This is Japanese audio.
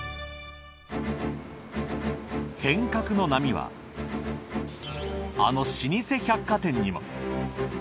変革の波はあの老舗百貨店にも。